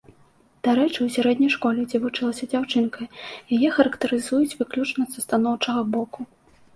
Дарэчы, у сярэдняй школе, дзе вучылася дзяўчынка, яе характарызуюць выключна са станоўчага боку.